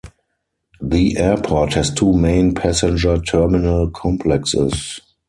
The airport has two main passenger terminal complexes.